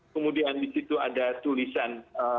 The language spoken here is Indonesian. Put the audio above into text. kemudian di situ ada tulisan